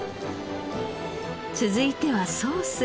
続いてはソース。